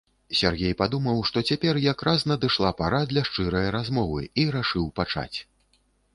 Сяргей падумаў, што цяпер якраз надышла пара для шчырай размовы, і рашыў пачаць.